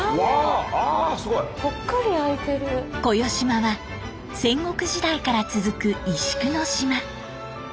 小与島は戦国時代から続く石工の島。